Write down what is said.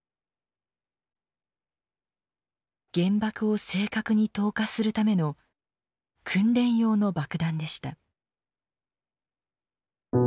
原爆を正確に投下するための訓練用の爆弾でした。